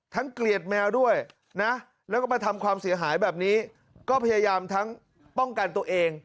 เกลียดแมวด้วยนะแล้วก็มาทำความเสียหายแบบนี้ก็พยายามทั้งป้องกันตัวเอง